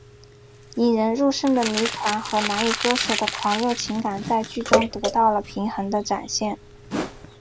引人入胜的谜团和难以割舍的狂热情感在剧中得到了平衡的展现。